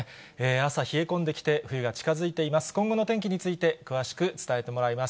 朝、冷え込んできて、冬が近づいてきています。